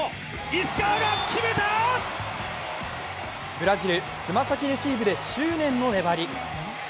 ブラジル、爪先レシーブで執念の粘り。